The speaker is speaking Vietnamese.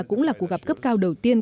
cũng là cuộc gặp cấp cao đầu tiên